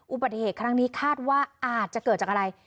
อุบัติเหตุครั้งนี้คาดว่าอาจจะเกิดจากอะไร